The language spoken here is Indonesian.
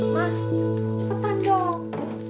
mas cepetan dong